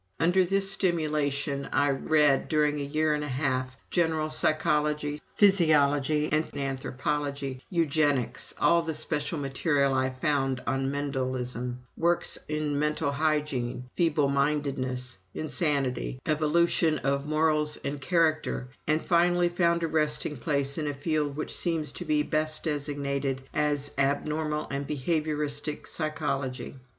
Under this stimulation, I read, during a year and a half, general psychology, physiology and anthropology, eugenics, all the special material I could find on Mendelism, works on mental hygiene, feeblemindedness, insanity, evolution of morals and character, and finally found a resting place in a field which seems to be best designated as Abnormal and Behavioristic Psychology.